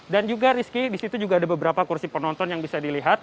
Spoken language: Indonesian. dan juga rizky di situ juga ada beberapa kursi penonton yang bisa dilihat